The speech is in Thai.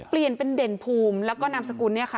เปลี่ยนเป็นเด่นภูมิแล้วก็นามสกุลเนี่ยค่ะ